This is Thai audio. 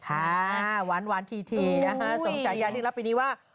อ่าหวานทีนะฮะสมชายาที่รับปีนี้ว่า